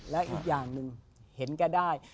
และอีกอย่างหนึ่งเห็นแกได้